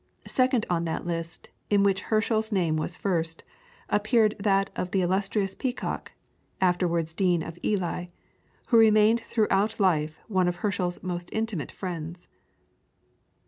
Second on that list, in which Herschel's name was first, appeared that of the illustrious Peacock, afterwards Dean of Ely, who remained throughout life one of Herschel's most intimate friends.